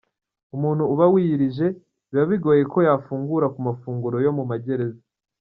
Umuntu uba wiyirije biba bigoye ko yafungura ku mafunguro yo mu magereza.